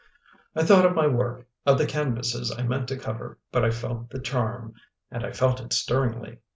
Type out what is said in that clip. I thought of my work, of the canvases I meant to cover, but I felt the charm and I felt it stirringly.